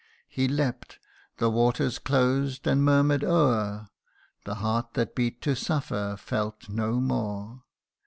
He leapt the waters closed, and murmur'd o'er : The heart that beat to suffer felt no more.